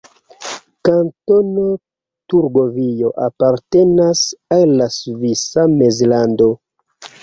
Kantono Turgovio apartenas al la Svisa Mezlando.